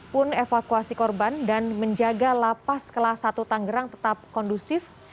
pun evakuasi korban dan menjaga lapas kelas satu tanggerang tetap kondusif